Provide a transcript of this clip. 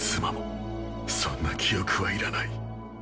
そんな記憶は要らない。